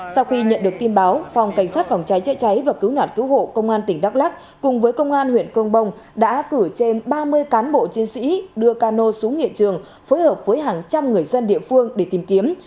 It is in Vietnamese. sau khi nhận được tin báo phòng cảnh sát phòng cháy chữa cháy và cứu nạn cứu hộ công an tỉnh đắk lắc cùng với công an huyện crong bông đã cử trên ba mươi cán bộ chiến sĩ đưa cano xuống hiện trường phối hợp với hàng trăm người dân địa phương để tìm kiếm